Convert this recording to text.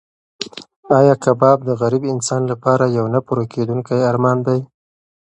ایا کباب د غریب انسان لپاره یو نه پوره کېدونکی ارمان دی؟